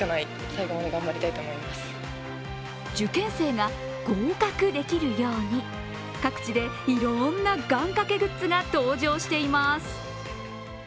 受験生が合格できるように各地でいろんな願かけグッズが登場しています。